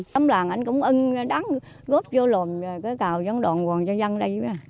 tấm làng ảnh cũng ân đáng góp vô lồn cái cào giống đoạn quần cho dân đây